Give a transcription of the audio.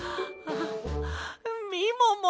みもも